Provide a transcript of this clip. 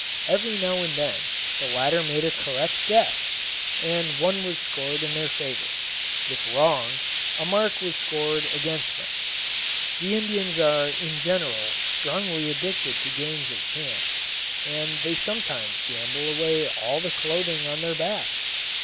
Every now and then the latter made a correct guess, and one was scored in their favour if wrong, a mark was scored against them. The Indians are in general strongly addicted to games of chance, and they sometimes gamble away all the clothing on their backs.